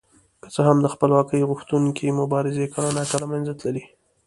که څه هم د خپلواکۍ غوښتونکو مبارزې کله ناکله له منځه تللې.